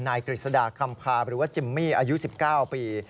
กฤษฎาคำพาหรือว่าจิมมี่อายุ๑๙ปี